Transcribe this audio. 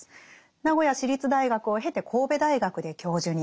名古屋市立大学を経て神戸大学で教授に。